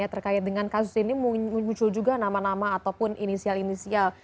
terkait dengan kasus ini muncul juga nama nama ataupun inisial inisial